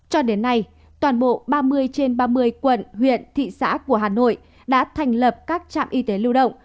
cho đến nay toàn bộ ba mươi trên ba mươi quận huyện thị xã của hà nội đã thành lập các trạm y tế lưu động